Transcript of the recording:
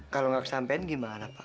kalau nggak kesampean gimana pak